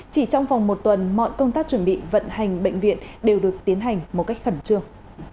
chỉ trong vòng một tuần mọi công tác chuẩn bị vận hành bệnh viện đều được tiến hành một cách khẩn trương